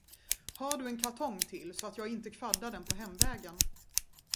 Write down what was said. Har du en kartong till, så att jag inte kvaddar den på hemvägen?